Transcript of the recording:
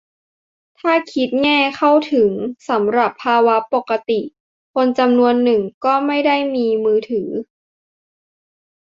ถ้าคิดแง่ "เข้าถึง" สำหรับภาวะปกติ คนจำนวนนึงก็ไม่ได้มีมือถือ